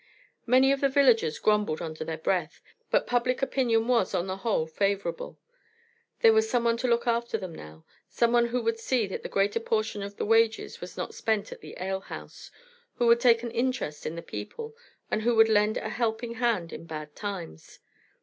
Many of the villagers grumbled under their breath, but public opinion was, on the whole, favorable. There was someone to look after them now, someone who would see that the greater portion of the wages was not spent at the alehouse, who would take an interest in the people, and would lend a helping hand in bad times.